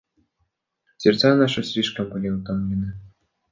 Сердца наши слишком были утомлены.